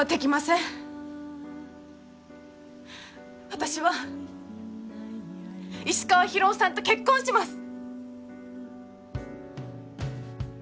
私は石川博夫さんと結婚します。